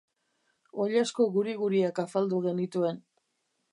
Oilasko guri-guriak afaldu genituen.